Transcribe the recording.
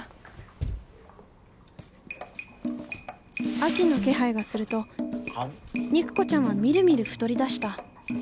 秋の気配がすると肉子ちゃんはみるみる太りだした。